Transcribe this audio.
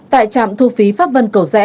tại trạm thu phí pháp vân cầu rẽ